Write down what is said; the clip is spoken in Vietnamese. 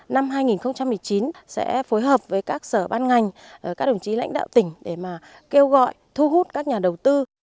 năm hai nghìn một mươi chín sẽ phối hợp với các sở ban ngành các đồng chí lãnh đạo tỉnh để mà kêu gọi thu hút các nhà đầu tư